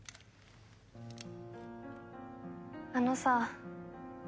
あのさ。